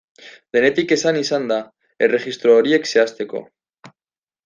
Denetik esan izan da erregistro horiek zehazteko.